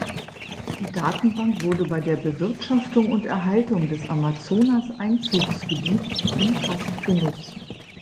Die Datenbank wurde bei der Bewirtschaftung und Erhaltung des Amazonaseinzugsgebiets umfassend genutzt.